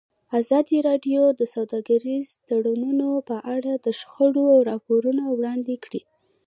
ازادي راډیو د سوداګریز تړونونه په اړه د شخړو راپورونه وړاندې کړي.